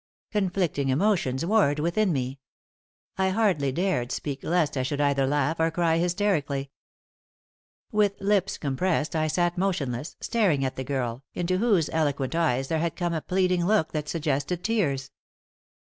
Conflicting emotions warred within me. I hardly dared speak lest I should either laugh or cry hysterically. With lips compressed I sat motionless, staring at the girl, into whose eloquent eyes there had come a pleading look that suggested tears.